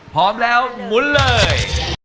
พร้อมแล้วหมุนเลย